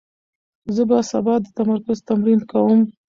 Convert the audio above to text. زه به سبا د تمرکز تمرین کوم.